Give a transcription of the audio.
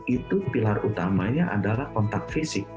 itu pilar utamanya adalah kontak fisik